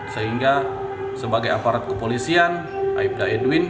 sehingga sebagai aparat kepolisian aibda edwin